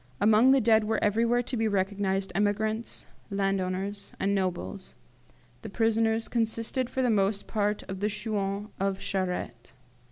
"Among the dead were everywhere to be recognized emigrants, landowners, and nobles; the prisoners consisted for the most part of the 'chouans' of Charette.